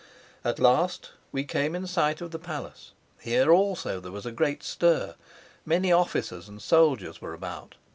At last we came in sight of the palace. Here also there was a great stir. Many officers and soldiers were about.